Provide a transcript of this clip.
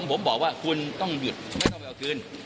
ผมบอกว่าคุณต้องหยุดไม่ต้องไปเอาคืน